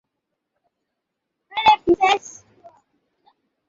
কলেজটি বিভিন্ন উৎসব পালন করে।